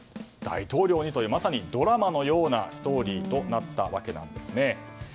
大統領にというドラマのようなストーリーとなったわけです。